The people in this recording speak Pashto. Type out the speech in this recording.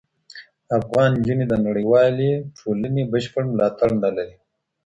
افغان نجوني د نړیوالي ټولني بشپړ ملاتړ نه لري.